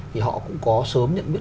thì họ cũng có sớm nhận biết